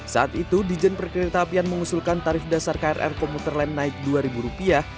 saat itu dijen perkereta apian mengusulkan tarif dasar krl komuter lain naik dua ribu rupiah